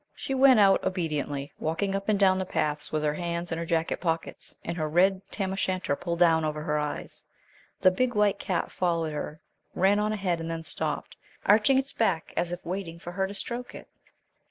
She went out obediently, walking up and down the paths with her hands in her jacket pockets, and her red tam o'shanter pulled down over her eyes. The big white cat followed her, ran on ahead, and then stopped, arching its back as if waiting for her to stroke it.